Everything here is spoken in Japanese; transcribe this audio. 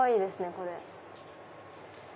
これ。